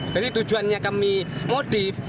jadi tujuannya kami modif